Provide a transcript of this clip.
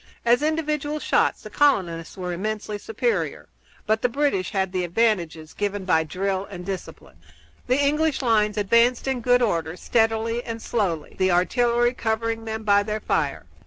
As individual shots the colonists were immensely superior, but the British had the advantages given by drill and discipline. The English lines advanced in good order, steadily and slowly, the artillery covering them by their fire.